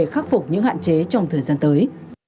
khắc phục những hạn chế trong thời gian tới